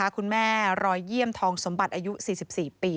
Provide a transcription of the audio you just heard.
รอยเยี่ยมทองสมบัติอายุ๔๔ปี